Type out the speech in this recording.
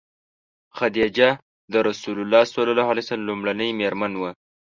خدیجه د رسول الله ﷺ لومړنۍ مېرمن وه.